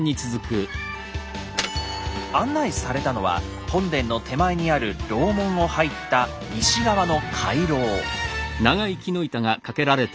案内されたのは本殿の手前にある楼門を入った西側の回廊。